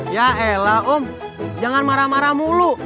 ya ella om jangan marah marah mulu